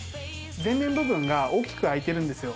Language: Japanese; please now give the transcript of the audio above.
前面部分が大きく開いてるんですよ。